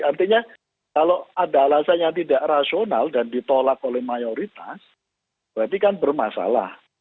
artinya kalau ada alasan yang tidak rasional dan ditolak oleh mayoritas berarti kan bermasalah